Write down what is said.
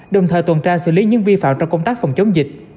đồng thời tuần tra xử lý những vi phạm trong công tác phòng chống dịch